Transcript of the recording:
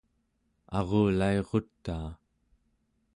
arulairutaa